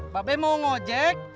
bapak mau ngajek